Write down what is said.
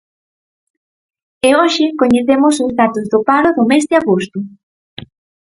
E Hoxe coñecemos os datos do paro do mes de agosto.